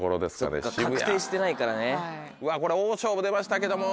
これ大勝負出ましたけども。